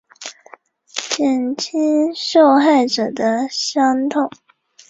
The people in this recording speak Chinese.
跨洲国家以首都所在洲计算。